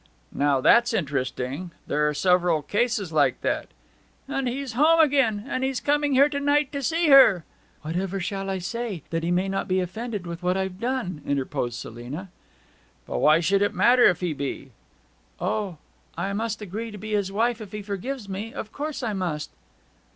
'Now that's interesting! There were several cases like that.' 'And he's home again; and he's coming here to night to see her.' 'Whatever shall I say, that he may not be offended with what I've done?' interposed Selina. 'But why should it matter if he be?' 'O! I must agree to be his wife if he forgives me of course I must.'